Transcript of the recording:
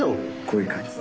こういう感じで。